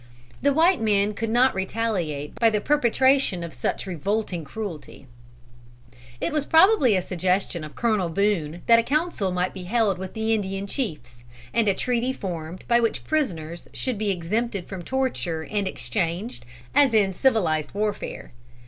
The white men could not retaliate by the perpetration of such revolting cruelty. It probably was a suggestion of Colonel Boone that a council might be held with the Indian chiefs, and a treaty formed by which prisoners should be exempted from torture and exchanged, as in civilized warfare.